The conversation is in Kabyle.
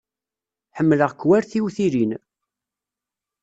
Ḥemmleɣ-k war tiwtilin.